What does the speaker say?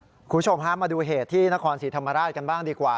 คุณผู้ชมฮะมาดูเหตุที่นครศรีธรรมราชกันบ้างดีกว่า